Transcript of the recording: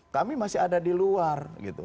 kami masih ada di luar gitu